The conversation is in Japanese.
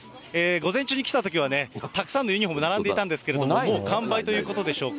午前中に来たときにはね、たくさんのユニホーム並んでいたんですけど、完売ということでしょうか。